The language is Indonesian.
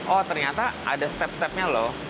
oh ternyata ada step stepnya loh